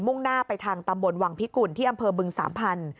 ่งหน้าไปทางตำบลวังพิกุลที่อำเภอบึงสามพันธุ